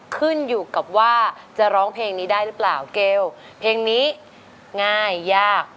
ขึ้นอยู่กับว่าจะร้องเพลงนี้ได้หรือเปล่าเกลเพลงนี้ง่ายยาก